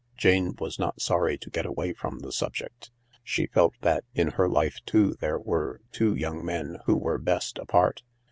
Jane was not sorry to get away from the subject. She felt that in her life too there were two young men who were best apart.